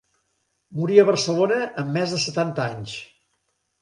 Morí a Barcelona amb més de setanta anys.